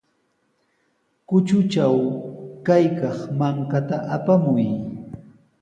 Kutatraw kaykaq mankata apamuy.